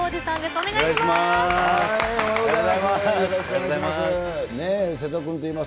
お願いします。